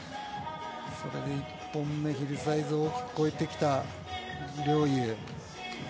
それで１本目ヒルサイズを大きく越えてきた陵侑。